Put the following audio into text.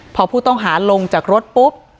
พอผู้ต้องหาลงจากรถปุ๊บ